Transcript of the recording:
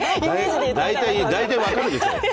大体分かるでしょ。